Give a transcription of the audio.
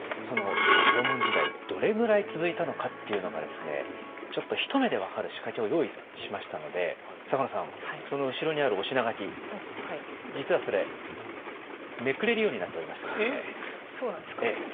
その縄文時代どれぐらい続いたのかっていうのがですねちょっと一目で分かる仕掛けを用意しましたので坂野さんその後ろにあるお品書き実はそれめくれるようになっておりましてですね。